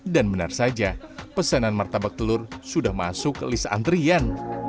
dan benar saja pesanan martabak telur sudah masuk ke list antrian